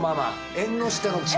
縁の下の力持ち！